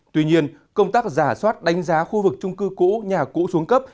tuy nhiên công tác giả soát đánh giá khu vực trung cư cũ nhà cũ xuống cấp